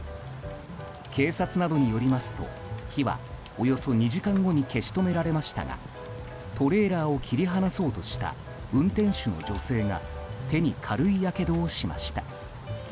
警察などによりますと火は、およそ２時間後に消し止められましたがトレーラーを切り離そうとした運転手の女性が手に軽いやけどをしました。